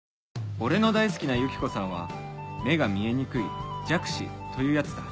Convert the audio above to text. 俺の大好きなユキコさんは目が見えにくい「弱視」というやつだ